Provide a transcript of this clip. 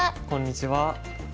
こんにちは。